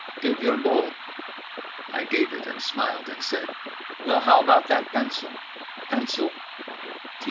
"Give your bowl." I gave it, smiled and said: "Well, how about that pencil?" "Pencil?"